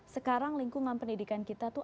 sekarang lingkungan pendidikan kita tuh